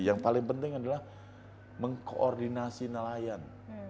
yang paling penting adalah mengkoordinasi nelayan